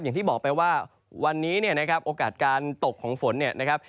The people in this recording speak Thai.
อย่างที่บอกไปว่าวันนี้เนี่ยนะครับโอกาสการตกของฝนเนี่ยนะครับ